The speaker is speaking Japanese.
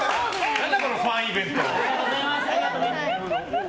何だ、このファンイベント！